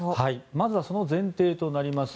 まずはその前提となります